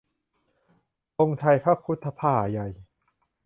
ธงชัยพระครุฑพ่าห์ใหญ่